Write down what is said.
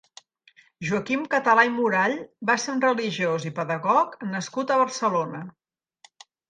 Joaquim Català i Murall va ser un religiós i pedagog nascut a Barcelona.